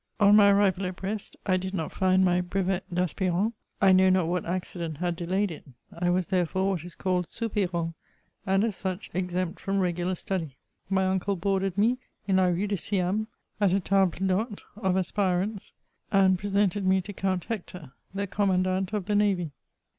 On my arrival at Brest, I did not find my " Brevet d'aspi rant;'' I know not what accident had delayed it. I was, therefore, what is called " Soupirant," and, as such, exempt from regular study. My uncle hoarded me in La Rue de Siam, at a Table d'h6te of Aspirants, and presented me to Count Hector, the Commandant of the navy.